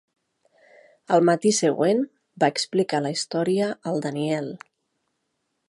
Al matí següent, va explicar la història al Daniel.